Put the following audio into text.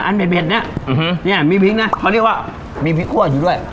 อันเบ็ดเบ็ดเนี้ยอื้อฮือเนี้ยมีพริกน่ะเขาเรียกว่ามีพริกขั้วอยู่ด้วย